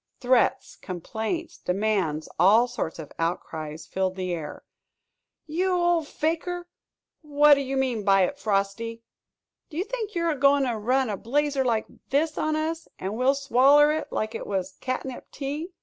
Threats, complaints, demands, all sorts of outcries filled the air. "You old fakir!" "What do you mean by it, Frosty?" "Do you think you're a goin' to run a blazer like this on us, and we'll swaller hit like hit was catnip tea?"